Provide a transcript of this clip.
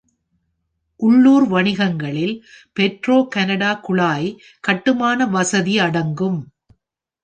உள்ளூர் வணிகங்களில் பெட்ரோ-கனடா குழாய் கட்டுமான வசதி அடங்கும்.